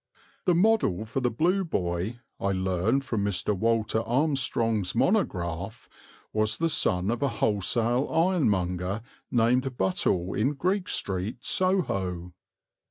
The model for the Blue Boy, I learn from Mr. Walter Armstrong's monograph, was the son of a wholesale ironmonger named Buttall in Greek Street, Soho.